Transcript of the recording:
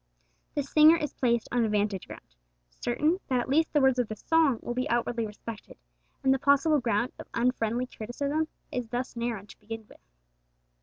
The singer is placed on a vantage ground, certain that at least the words of the song will be outwardly respected, and the possible ground of unfriendly criticism thus narrowed to begin with.